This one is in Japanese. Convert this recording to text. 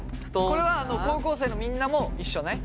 これは高校生のみんなも一緒ね。